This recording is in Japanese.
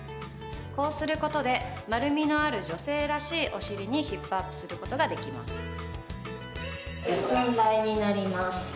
こうすることで丸みのある女性らしいお尻にヒップアップすることができます。